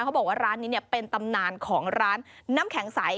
เขาบอกว่าร้านนี้เป็นตำนานของร้านน้ำแข็งใส